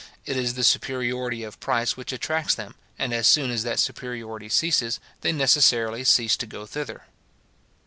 It is the superiority of price which attracts them; and as soon as that superiority ceases, they necessarily cease to go thither.